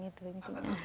akan terus mendukung